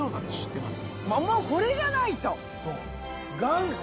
もうこれじゃないと。